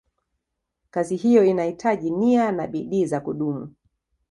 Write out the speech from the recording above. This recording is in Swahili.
Kazi hiyo inahitaji nia na bidii za kudumu.